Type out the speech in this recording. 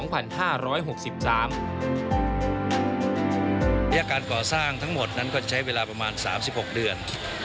ยากการก่อสร้างทั้งหมดนั้นก็ใช้เวลาประมาณ๓๖เดือน